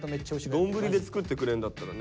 どんぶりで作ってくれんだったらね